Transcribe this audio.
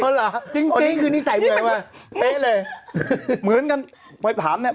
เออหรอจริงจริงอันนี้คือนิสัยเมื่อยว่ะเป๊ะเลยเหมือนกันไปถามเนี้ย